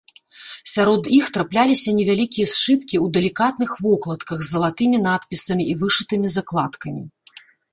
Сярод іх трапляліся невялікія сшыткі ў далікатных вокладках з залатымі надпісамі і вышытымі закладкамі.